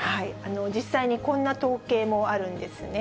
実際にこんな統計もあるんですね。